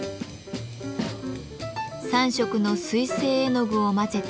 ３色の水性絵の具を混ぜて着色。